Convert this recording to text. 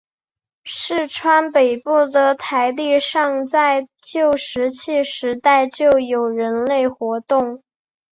市川北部的台地上在旧石器时代就有人类活动。